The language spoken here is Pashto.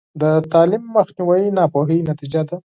د تعلیم مخنیوی د ناپوهۍ نتیجه ده.